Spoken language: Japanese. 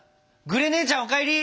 グレ姉ちゃんお帰り！